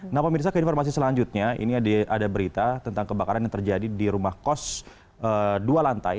nah pemirsa ke informasi selanjutnya ini ada berita tentang kebakaran yang terjadi di rumah kos dua lantai